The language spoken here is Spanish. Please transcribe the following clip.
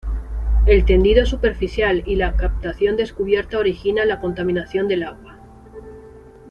El tendido superficial y la captación descubierta origina la contaminación del agua.